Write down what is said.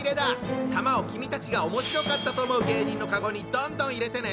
玉を君たちがおもしろかったと思う芸人のカゴにどんどん入れてね！